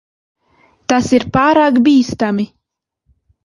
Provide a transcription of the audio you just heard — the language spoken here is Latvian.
Tas ir pārāk bīstami.